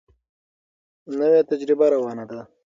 نوې تجربه روانه ده.